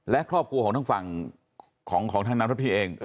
และครอบครัวของทั้งฝั่งของท่านน้ำทัพทิมเอง